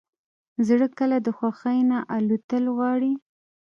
زړه کله د خوښۍ نه الوتل غواړي.